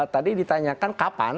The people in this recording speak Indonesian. tadi ditanyakan kapan